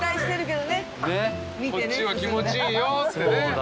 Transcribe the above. こっちは気持ちいいよってね。